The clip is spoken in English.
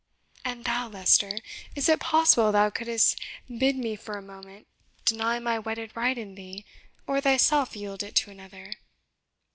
And thou, Leicester, is it possible thou couldst bid me for a moment deny my wedded right in thee, or thyself yield it to another?